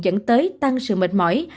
dẫn tới tăng sự mệt mỏi